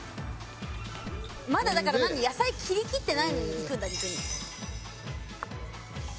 まだだから何野菜切りきってないのにいくんだ肉に。